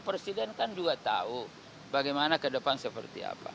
presiden kan juga tahu bagaimana ke depan seperti apa